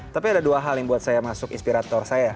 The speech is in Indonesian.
tapi ada dua hal yang buat saya masuk inspirator saya